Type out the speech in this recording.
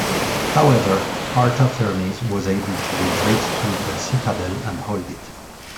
However, Artaphernes was able to retreat to the citadel and hold it.